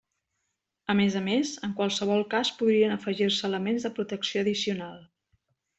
A més a més, en qualsevol cas podrien afegir-se elements de protecció addicional.